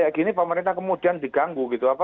seperti ini pemerintah kemudian diganggu